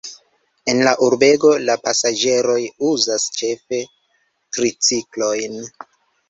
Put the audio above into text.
En la urbego la pasaĝeroj uzas ĉefe triciklojn.